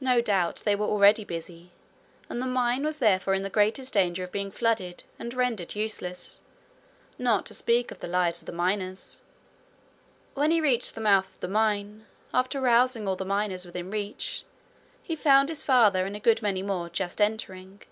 No doubt they were already busy, and the mine was therefore in the greatest danger of being flooded and rendered useless not to speak of the lives of the miners. When he reached the mouth of the mine, after rousing all the miners within reach, he found his father and a good many more just entering.